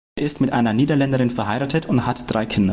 Er ist mit einer Niederländerin verheiratet und hat drei Kinder.